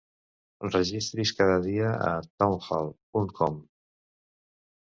Registri's cada dia a Townhall punt com.